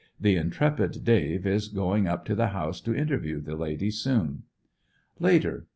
The intrepid Dave is going up to the house to interview the lady soon. Later.